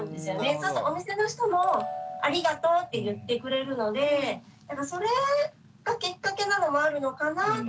そうするとお店の人も「ありがとう」って言ってくれるのでそれがきっかけなのもあるのかなとはちょっと思います。